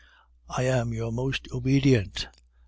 I am your most obedient!